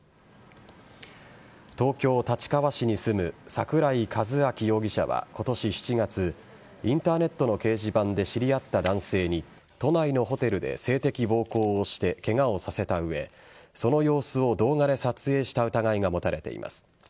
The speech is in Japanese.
東京・立川市に住む桜井一彰容疑者は今年７月インターネットの掲示板で知り合った男性に都内のホテルで性的暴行をしてケガをさせた上その様子を動画で撮影した疑いが持たれています。